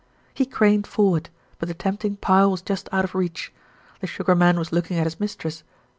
He craned forward; but the tempting pile was just out of reach. The Sugar Man was looking at his mistress.